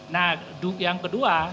nah yang kedua